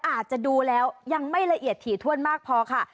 อาจจะดูแล้วยังไม่ละเอียดถี่ถ้วนมากพอค่ะ